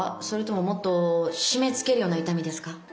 それとももっと締めつけるような痛みですか？